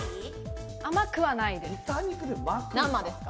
甘くはないです。